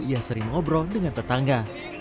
ia sering ngobrol dengan tetangga